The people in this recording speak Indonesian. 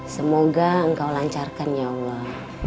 semoga engkau lancarkan ya allah